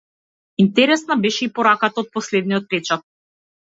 Интересна беше и пораката од последниот печат.